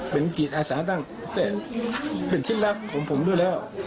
เป็นจิตอาสาตั้งแต่เป็นที่รักของผมด้วยแล้ว